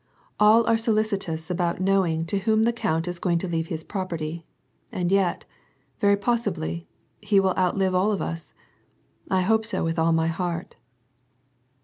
"All are solicitous about knowing to whom the count is going to leave his property ; and yet, very possibly, he will outlive all of us. I hope so with all my heart."